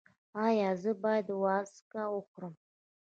ایا زه باید وازګه وخورم؟